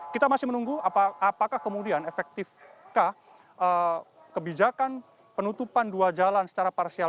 kita masih menunggu apakah kemudian efektifkah kebijakan penutupan dua jalan secara parsial